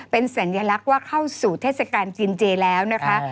เป็นสัญลักษณ์ว่าเข้าสู่เทศกาลกินเจแล้วนะคะ